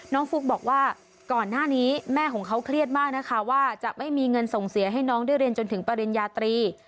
ฟุ๊กบอกว่าก่อนหน้านี้แม่ของเขาเครียดมากนะคะว่าจะไม่มีเงินส่งเสียให้น้องได้เรียนจนถึงปริญญาตรี